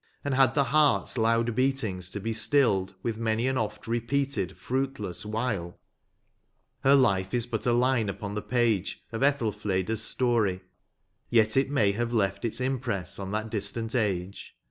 And had the heart's loud beatings to be stilled With many an oft repeated fruitless wile ? Her life is but a line upon the page Of Ethelfleda s story, yet it may Have left its impress on that distant age.